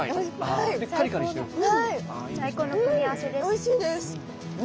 おいしいです。